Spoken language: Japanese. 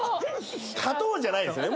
勝とうじゃないですよね。